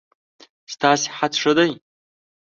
ستا صحت ښه دی؟